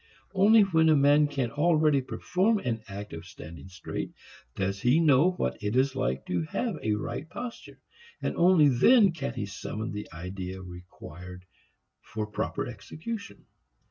Only when a man can already perform an act of standing straight does he know what it is like to have a right posture and only then can he summon the idea required for proper execution.